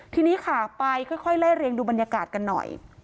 ทีนี้ค่ะไปค่อยไล่เรียงดูบรรยากาศกันหน่อย